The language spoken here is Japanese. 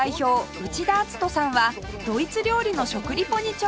内田篤人さんはドイツ料理の食リポに挑戦